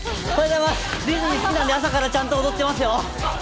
ディズニー、好きなんで、朝からちゃんと踊ってますよ。